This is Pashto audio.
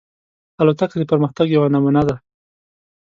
الوتکه د پرمختګ یوه نمونه ده.